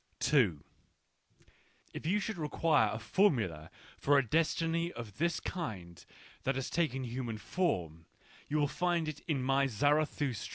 If you should require a formula for a destiny of this kind that has taken human form, you will find it in my Zarathustra.